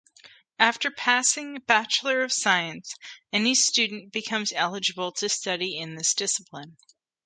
After passing Bachelor of Science, any student becomes eligible to study in this discipline.